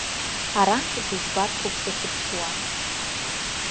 Арантә дызбарҭоуп сахьыԥшуа.